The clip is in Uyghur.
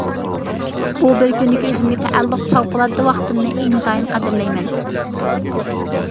بۇ بىر كۈندىكى ئۆزۈمگە تەئەللۇق پەۋقۇلئاددە ۋاقتىمنى ئىنتايىن قەدىرلەيمەن.